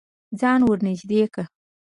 ځان ور نږدې که.